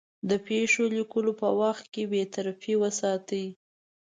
د پېښو لیکلو په وخت کې بېطرفي وساتي.